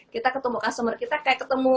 kita ketemu customer kita kayak ketemu